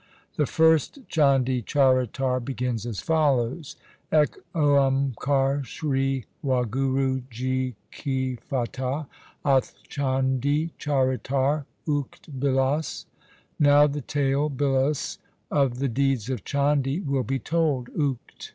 The first Chandi Charitar begins as follows : Ek oamkar, Sri Wahguru ji kifatah. Ath Chandi Charitar ukt bilas — Now the tale (bilas) of the deeds of Chandi will be told (ukt).